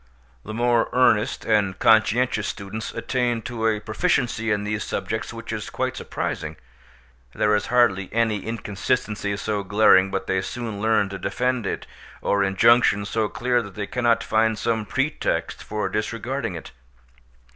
The more earnest and conscientious students attain to a proficiency in these subjects which is quite surprising; there is hardly any inconsistency so glaring but they soon learn to defend it, or injunction so clear that they cannot find some pretext for disregarding it.